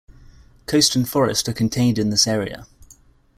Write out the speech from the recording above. Coast and forest are contained in this area.